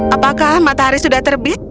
apakah matahari sudah terbit